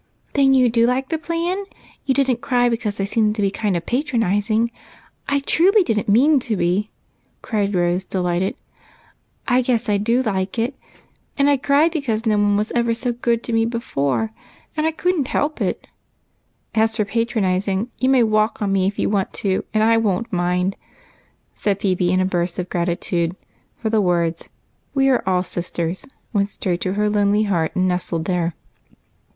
" Then you do like the plan ? You did n't cry be 68 EIGHT COUSINS. cause I seemed to be kind of patronizing? I truly did n't mean to be," cried Rose, delighted. " I guess I do like it ! and cried because no one was ever so good to me before, and I couldn't help it. As for patronizing, you may walk on me if you want to, and I won't mind," said Phebe, in a burst of grati tude, for the words, " we are all sisters," went straight to her lonely heart and nestled there.